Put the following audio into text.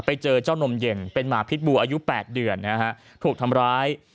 ไปเจอเจ้านมเย็นเป็นหมาพิษบูอายุ๘เดือนนะฮะถูกทำร้าย